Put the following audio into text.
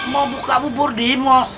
mau buka bubur di mall